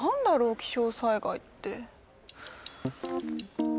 気象災害って。